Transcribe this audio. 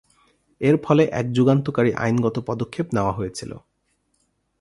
এর ফলে এক যুগান্তকারী আইনগত পদক্ষেপ নেওয়া হয়েছিল।